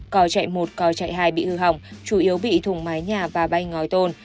cò chạy một cò chạy hai bị hư hỏng chủ yếu bị thủng mái nhà và bay ngói tôn